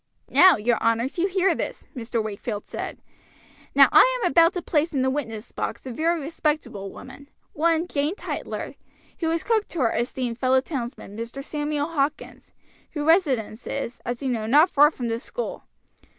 "Now, your honors, you hear this," Mr. Wakefield said. "Now I am about to place in the witness box a very respectable woman, one Jane Tytler, who is cook to our esteemed fellow townsman, Mr. Samuel Hawkins, whose residence is, as you know, not far from this school.